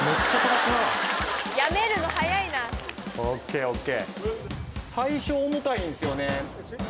ＯＫＯＫ